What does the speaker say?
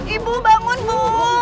ibu bangun bu